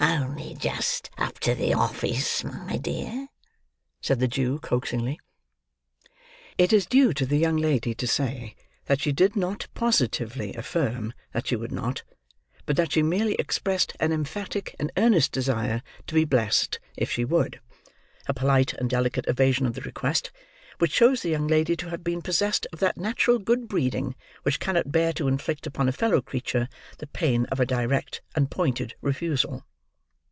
"Only just up to the office, my dear," said the Jew coaxingly. It is due to the young lady to say that she did not positively affirm that she would not, but that she merely expressed an emphatic and earnest desire to be "blessed" if she would; a polite and delicate evasion of the request, which shows the young lady to have been possessed of that natural good breeding which cannot bear to inflict upon a fellow creature, the pain of a direct and pointed refusal.